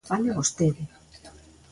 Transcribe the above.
Fale vostede.